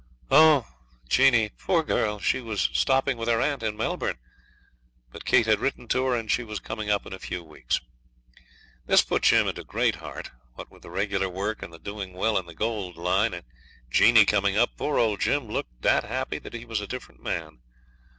'Oh! Jeanie, poor girl, she was stopping with her aunt in Melbourne.' But Kate had written to her, and she was coming up in a few weeks. This put Jim into great heart. What with the regular work and the doing well in the gold line, and Jeanie coming up, poor old Jim looked that happy that he was a different man.